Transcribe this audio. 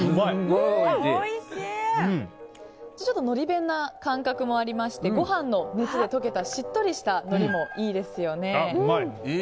のり弁な感覚もありましてご飯の熱で溶けたしっとりした、のりもいいですよね。